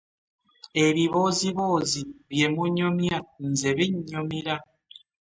Ebibooziboozi bye banyumya nze binnyumira.